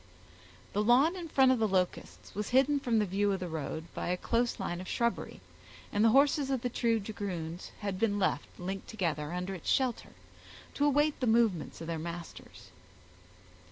The lawn in front of the Locusts was hidden from the view of the road by a close line of shrubbery, and the horses of the two dragoons had been left, linked together, under its shelter, to await the movements of their masters.